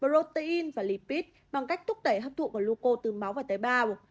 protein và lipid bằng cách thúc đẩy hấp thụ gluco từ máu và tế bào